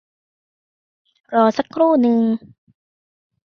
รอสักครู่หนึ่ง